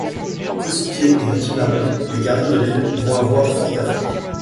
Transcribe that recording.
Kosuke et Rikimaru, les gardiens de l'île, vont avoir fort à faire.